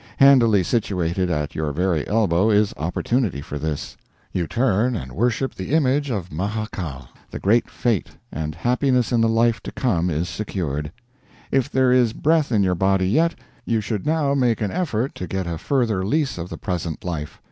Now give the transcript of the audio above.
Handily situated, at your very elbow, is opportunity for this. You turn and worship the image of Maha Kal, the Great Fate, and happiness in the life to come is secured. If there is breath in your body yet, you should now make an effort to get a further lease of the present life.